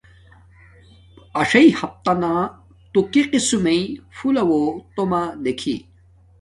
اݽاݵے ہفہ نا تو کی قسم میݵ پھولہ وہ تومہ دکھی۔